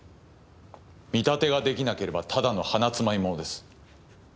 見立てができなければただの鼻つまみ者です。